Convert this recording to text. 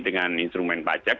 dengan instrumen pajak